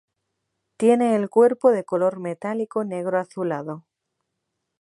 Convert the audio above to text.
Tiene el cuerpo de color metálico negro azulado.